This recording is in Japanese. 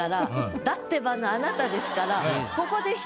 「だってば」のあなたですから。